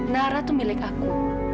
nara tuh milik aku